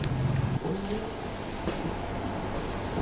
cơ quan cảnh sát